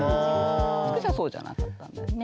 つくしはそうじゃなかったんだよね？